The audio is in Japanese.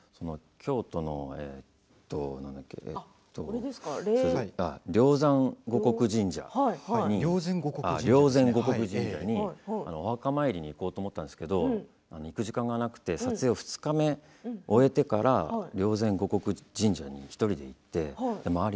京都の霊山護国神社にお墓参りに行こうと思ったんですけど行く時間がなくて撮影２日目、終わってから霊山護国神社に１人で行って周り